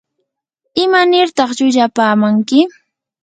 ¿imanirta llullapamanki?